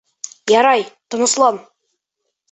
Ярай, тыныслан.